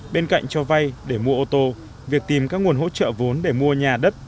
bên cạnh cho vay để mua ô tô việc tìm các nguồn hỗ trợ vốn để mua nhà đất